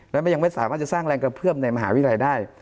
และยังไม่สามารถจะสร้างแรงกระเพื่อมในมหาวิทยาลัยได้